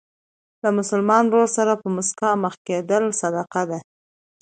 له مسلمان ورور سره په مسکا مخ کېدل صدقه ده.